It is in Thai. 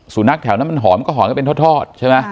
สู่นักแถวนั้นมันหอมก็หอมก็เป็นทอด